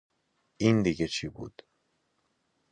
این دیگه چی بود